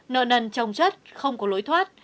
nợ nần chồng chất không có lối thoát